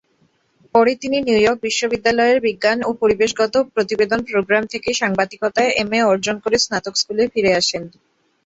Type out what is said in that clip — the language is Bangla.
পরে তিনি নিউইয়র্ক বিশ্ববিদ্যালয়ের বিজ্ঞান ও পরিবেশগত প্রতিবেদন প্রোগ্রাম থেকে সাংবাদিকতায় এমএ অর্জন করে স্নাতক স্কুলে ফিরে আসেন।